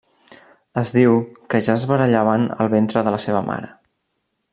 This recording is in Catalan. Es diu que ja es barallaven al ventre de la seva mare.